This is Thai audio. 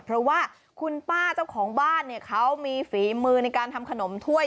เพราะว่าคุณป้าเจ้าของบ้านเนี่ยเขามีฝีมือในการทำขนมถ้วย